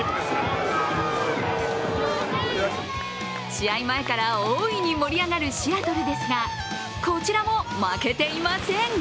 試合前から大いに盛り上がるシアトルですが、こちらも負けていません。